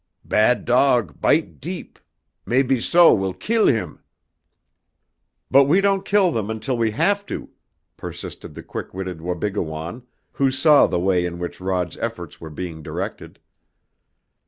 "Bad dog bite deep mebby so we kill heem!" "But we don't kill them until we have to," persisted the quick witted Wabigoon, who saw the way in which Rod's efforts were being directed.